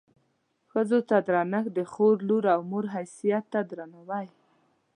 ښځو ته درنښت د خور، لور او مور حیثیت ته درناوی.